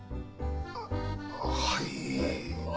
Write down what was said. はい。